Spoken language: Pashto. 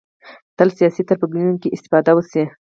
تل سیاسي تربګنیو کې استفاده وشي